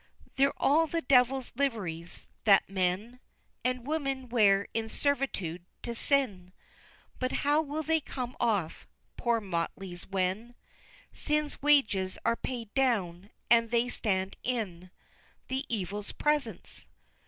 V. They're all the devil's liveries, that men And women wear in servitude to sin But how will they come off, poor motleys, when Sin's wages are paid down, and they stand in The Evil presence?